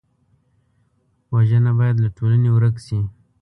وژنه باید له ټولنې ورک شي